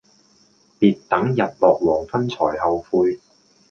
別等日落黃昏才後悔